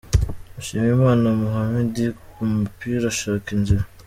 Mushimiyimana Mohammed ku mupira ashaka inzira .